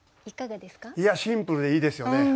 いやシンプルでいいですよね。